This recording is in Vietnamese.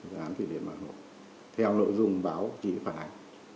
dự án thủy biển bản hồ theo nội dung báo chí phản ánh